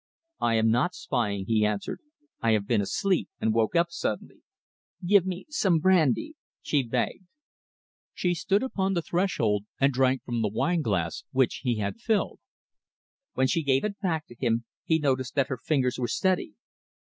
"I am not spying," he answered. "I have been asleep and woke up suddenly." "Give me some brandy!" she begged. She stood upon the threshold and drank from the wineglass which he had filled. When she gave it back to him, he noticed that her fingers were steady.